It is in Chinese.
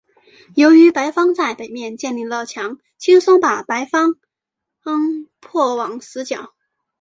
由于白方在北面建立了墙轻松把白方迫往死角。